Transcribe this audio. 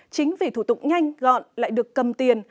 chính vì thủ tục nhanh gọn lại được cầm tiền